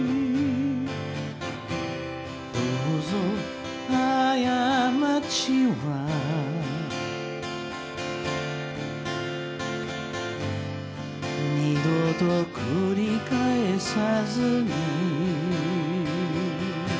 「どうぞあやまちは二度とくり返さずに」